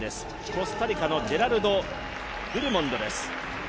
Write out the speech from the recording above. コスタリカのジェラルド・ドゥルモンドです。